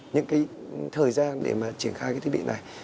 những cái thời gian để mà triển khai cái thiết bị này